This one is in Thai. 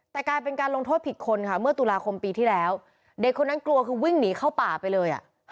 แต่กลายเป็นการลงโทษผิดคนค่ะเมื่อตุลาคมปีที่แล้วเด็กคนนั้นกลัวคือวิ่งหนีเข้าป่าไปเลยอ่ะ